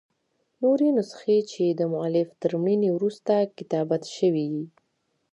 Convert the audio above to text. نوري نسخې، چي دمؤلف تر مړیني وروسته کتابت سوي يي.